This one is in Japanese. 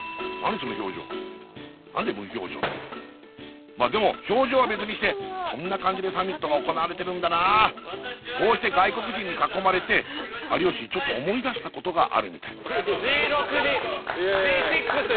その表情何だよ無表情ってまあでも表情は別にしてこんな感じでサミットが行われてるんだなあこうして外国人に囲まれて有吉ちょっと思い出したことがあるみたいＧ６にＧ６に！